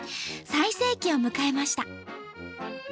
最盛期を迎えました。